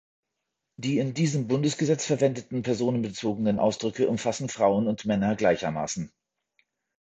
Die in diesem Bundesgesetz verwendeten personenbezogenen Ausdrücke umfassen Frauen und Männer gleichermaßen.